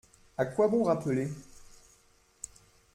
À quoi bon rappeler ?…